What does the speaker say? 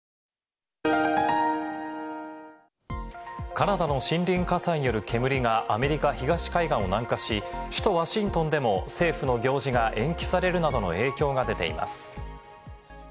カナダの森林火災による煙がアメリカ東海岸を南下し、首都ワシントンでも政府の行事が延期されるなどの影響が出ています。